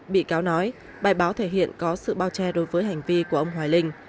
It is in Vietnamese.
bị cáo nói bài báo thể hiện có sự bao che đối với hành vi của ông hoài linh